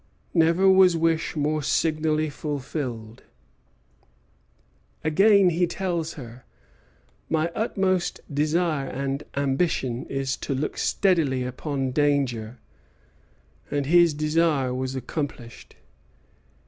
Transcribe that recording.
Never was wish more signally fulfilled. Again he tells her: "My utmost desire and ambition is to look steadily upon danger;" and his desire was accomplished.